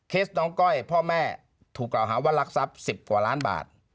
น้องก้อยพ่อแม่ถูกกล่าวหาว่ารักทรัพย์๑๐กว่าล้านบาท